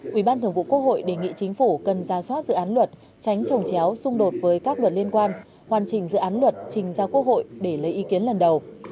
quỹ ban thường vụ quốc hội đề nghị chính phủ cần ra soát dự án luật tránh trồng chéo xung đột với các luật liên quan hoàn chỉnh dự án luật trình giao quốc hội để lấy ý kiến lần đầu